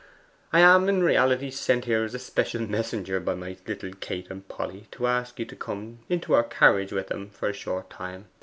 'I am in reality sent here as a special messenger by my little Polly and Katie to ask you to come into our carriage with them for a short time.